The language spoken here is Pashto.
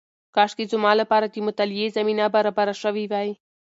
کاشکې زما لپاره د مطالعې زمینه برابره شوې وای.